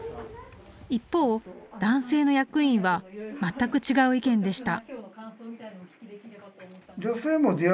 一方、男性の役員は全く違う意見でした。